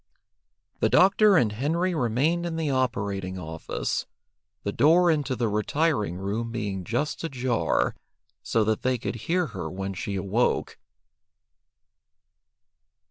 The doctor and Henry remained in the operating office, the door into the retiring room being just ajar, so that they could hear her when she awoke.